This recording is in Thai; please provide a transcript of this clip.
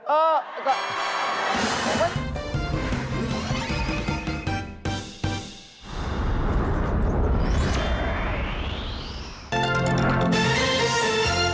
เออ